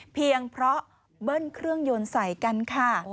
เพียงเพราะเบิ้ลเครื่องยนต์ใส่กันค่ะ